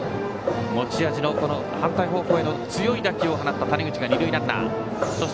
持ち味の反対方向への強い打球を放った谷口が二塁ランナーです。